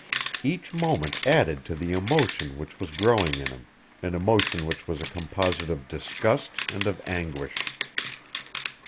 Each moment added to the emotion which was growing in him, an emotion which was a composite of disgust and of anguish.